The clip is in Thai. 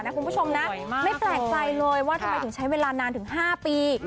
คุณผู้ชมนะไม่แปลกใจเลยว่าทำไมถึงใช้เวลานานถึง๕ปี